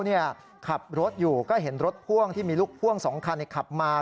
ขับรถอยู่ก็เห็นรถพ่วงที่มีลูกพ่วง๒คันขับมา